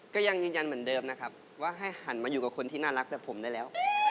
ก็ยังยืนยันเหมือนเดิมนะครับว่าให้หันมาอยู่กับคนที่น่ารักแบบผมได้แล้ว